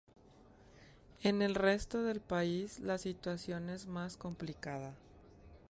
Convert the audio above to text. En el resto del país, la situación es más complicada.